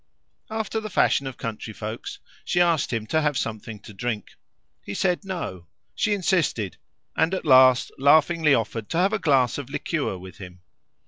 After the fashion of country folks she asked him to have something to drink. He said no; she insisted, and at last laughingly offered to have a glass of liqueur with him.